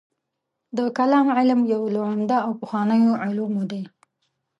د کلام علم یو له عمده او پخوانیو علومو دی.